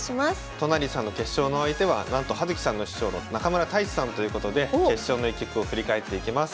都成さんの決勝の相手はなんと葉月さんの師匠の中村太地さんということで決勝の一局を振り返っていきます。